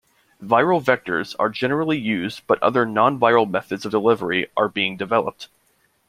Viral vectors are generally used but other nonviral methods of delivery are being developed.